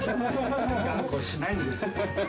頑固にしないんですよ。